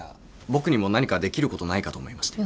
僕にも何かできることないかと思いまして。